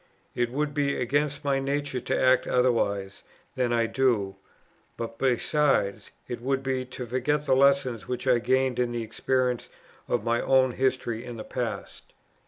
It would be against my nature to act otherwise than I do; but besides, it would be to forget the lessons which I gained in the experience of my own history in the past.